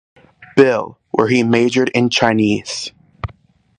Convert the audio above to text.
Bill, where he majored in Chinese.